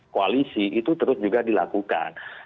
koalisi itu terus juga dilakukan